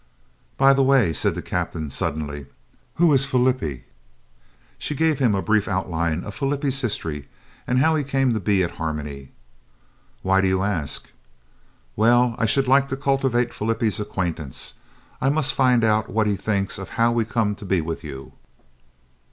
"By the way," said the Captain suddenly, "who is Flippie?" She gave him a brief outline of Flippie's history and how he came to be at Harmony. "Why do you ask?" "Well, I should like to cultivate Flippie's acquaintance. I must find out what he thinks of how we come to be with you."